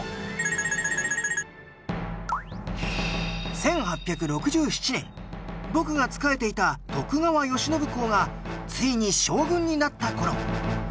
１８６７年僕が仕えていた徳川慶喜公がついに将軍になった頃。